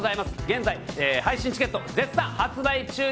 現在配信チケット絶賛発売中です